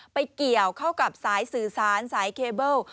ไปเกี่ยวเข้ากับสายสื่อสารสายเคเบิล